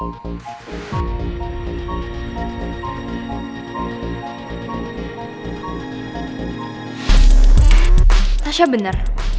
tak ada salah